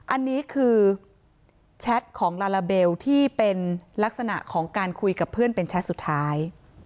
อันนี้คือแชทของลาลาเบลที่เป็นลักษณะของการคุยกับเพื่อนเป็นแชทสุดท้าย